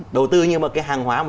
đầu tư nhưng mà cái hàng hóa